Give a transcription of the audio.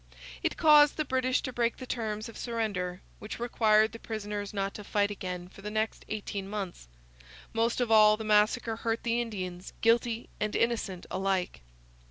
It caused the British to break the terms of surrender, which required the prisoners not to fight again for the next eighteen months. Most of all, the massacre hurt the Indians, guilty and innocent alike.